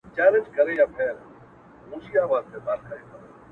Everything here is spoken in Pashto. ننګ پر وکه بیده قامه ستا په ننګ زندان ته تللی -